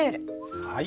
はい。